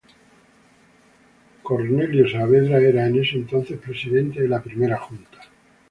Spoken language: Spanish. Cornelio Saavedra era en ese entonces presidente de la Primera Junta.